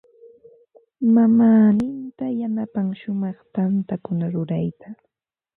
Mamaaninta yanapan shumaq tantakuna rurayta.